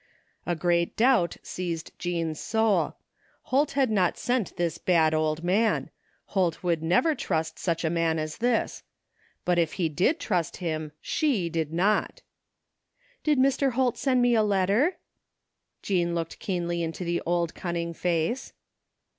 A great doubt seized Jean's souL Holt had not sent this bad old man. Hold could never trust such a man as this. But if he did trust him, she did not " Did Mr. Holt send me a letter? " Jean looked keenly into the old cunning face.